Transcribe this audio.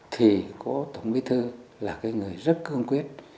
thì cụ tổng bình thư là cái người rất cương quyết